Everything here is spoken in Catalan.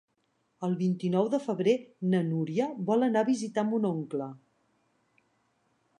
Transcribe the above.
El vint-i-nou de febrer na Núria vol anar a visitar mon oncle.